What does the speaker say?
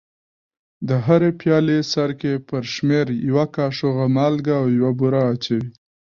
د هرې پیالې سرکې پر شمېر یوه کاشوغه مالګه او یوه بوره اچوي.